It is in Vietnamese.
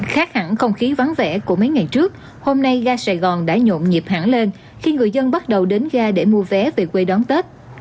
khác hẳn không khí vắng vẻ của mấy ngày trước hôm nay ga sài gòn đã nhộn nhịp hẳn lên khi người dân bắt đầu đến ga để mua vé về quê đón tết